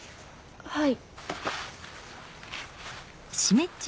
はい。